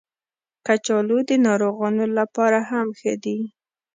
کچالو د ناروغانو لپاره هم ښه دي